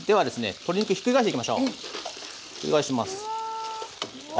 はい。